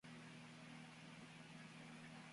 Su sustituto fue Vinny Appice.